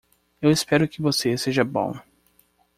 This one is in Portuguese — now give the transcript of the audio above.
Eu espero que você seja bom!